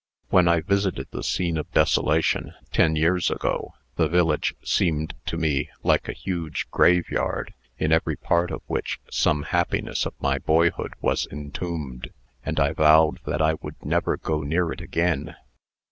When I visited the scene of desolation, ten years ago, the village seemed to me like a huge graveyard, in every part of which some happiness of my boyhood was entombed; and I vowed that I would never go near it again.